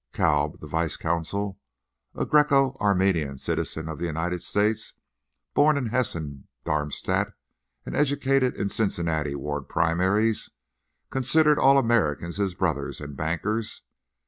Kalb, the vice consul, a Græco Armenian citizen of the United States, born in Hessen Darmstadt, and educated in Cincinnati ward primaries, considered all Americans his brothers and bankers.